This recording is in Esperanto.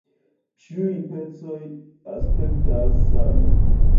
Ĉiuj pecoj aspektas same.